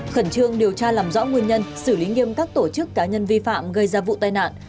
khẩn trương điều tra làm rõ nguyên nhân xử lý nghiêm các tổ chức cá nhân vi phạm gây ra vụ tai nạn